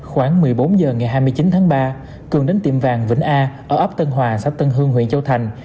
khoảng một mươi bốn h ngày hai mươi chín tháng ba cường đến tiệm vàng vĩnh a ở ấp tân hòa xã tân hương huyện châu thành